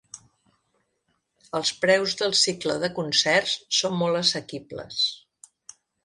Els preus del cicle de concerts són molt assequibles.